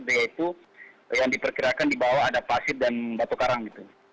yaitu yang diperkirakan di bawah ada pasir dan batu karang gitu